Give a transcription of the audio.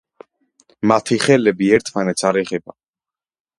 მათი ხელები ერთმანეთს არ ეხება.